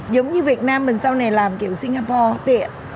giống như việt nam bằng sau này làm kiểu singapore tiện